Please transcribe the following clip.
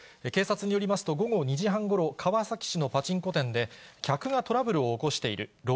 警察によりますと、午後２時半ごろ、川崎市のパチンコ店で、客がトラブルを起こしている。